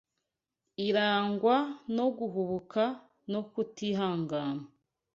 irangwa no guhubuka no kutihangana